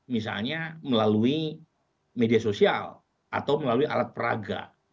misalnya melalui media sosial atau melalui alat peraga